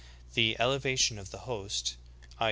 "'^ The "elevation of the host," i.